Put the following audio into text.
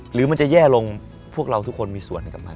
หรือมันจะแย่ลงพวกเราทุกคนมีส่วนหนึ่งกับมัน